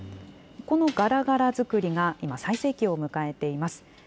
このがらがら作りが今、最盛期を迎えています。